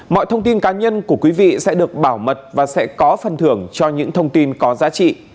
mọi thông tin cá nhân của quý vị sẽ được bảo mật và sẽ có phần thưởng cho những thông tin có giá trị